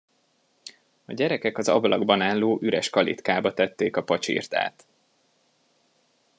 A gyerekek az ablakban álló üres kalitkába tették a pacsirtát.